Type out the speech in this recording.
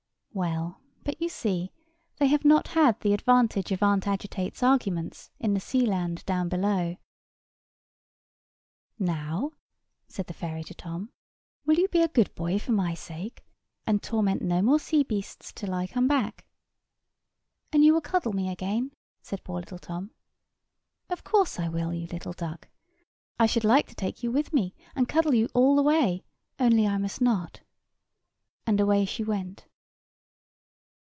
Well, but you see they have not the advantage of Aunt Agitate's Arguments in the sea land down below. "Now," said the fairy to Tom, "will you be a good boy for my sake, and torment no more sea beasts till I come back?" "And you will cuddle me again?" said poor little Tom. "Of course I will, you little duck. I should like to take you with me and cuddle you all the way, only I must not;" and away she went.